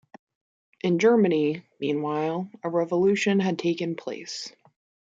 In Germany, meanwhile, a revolution had taken place.